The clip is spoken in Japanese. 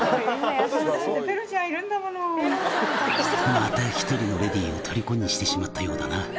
「また一人のレディーを虜にしてしまったようだな」